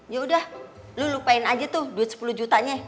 yaudah lo lupain aja tuh duit rp sepuluh juta nya